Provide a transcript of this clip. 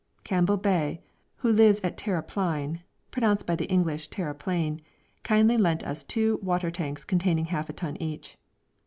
Campbell Bey, who lives at Terre Pleine, pronounced by the English Terry Plain, kindly lent us two water tanks containing half a ton each.